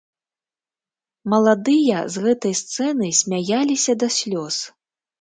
Маладыя з гэтай сцэны смяяліся да слёз!